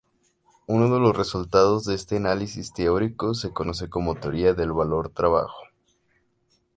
Uno de los resultados de este análisis teórico se conoce como teoría del valor-trabajo.